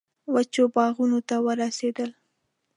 وچو باغونو ته ورسېدل.